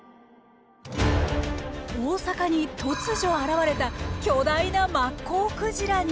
大阪に突如現れた巨大なマッコウクジラに。